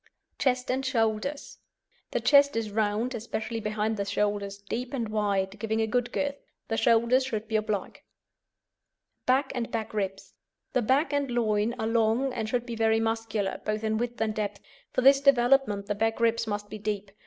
CHEST AND SHOULDERS The chest is round, especially behind the shoulders, deep and wide, giving a good girth. The shoulders should be oblique. BACK AND BACK RIBS The back and loin are long, and should be very muscular, both in width and depth; for this development the back ribs must be deep.